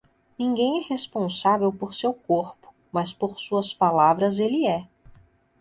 Ninguém é responsável por seu corpo, mas por suas palavras ele é.